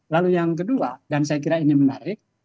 lalu yang kedua dan saya kira ini menarik